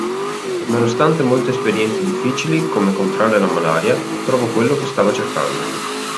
Nonostante molte esperienze difficili, come contrarre la malaria, trovò quello che stava cercando.